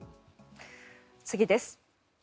次です。